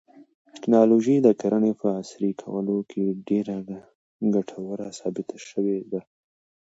تکنالوژي د کرنې په عصري کولو کې ډېره ګټوره ثابته شوې ده.